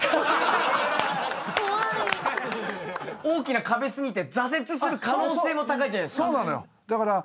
大きな壁すぎて挫折する可能性も高いじゃないですか。